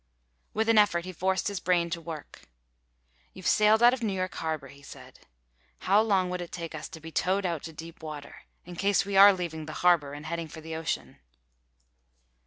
With an effort he forced his brain to work. "You've sailed out of New York Harbor," he said. "How long would it take us to be towed out to deep water—in case we are leaving the harbor and heading for the ocean."